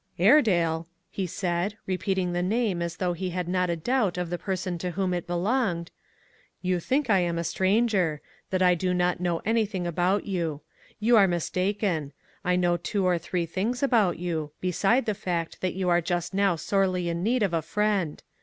" Airedale," he said, repeating the name as though he had not a doubt of the per I son to whom it belonged, " you think I am a stranger; that I do not know anything about you. You are mistaken. I know two or three things about you, beside the fact that you are just now sorely in need of a friend.